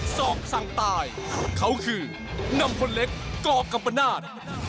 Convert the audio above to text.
สอกสั่งตายเขาคือนำพลเล็กกรอกกับประนาท